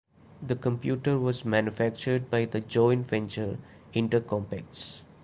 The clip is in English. The computer was manufactured by the joint venture "InterCompex".